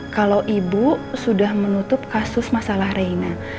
kalau ibu sudah menutup kasus masalah reina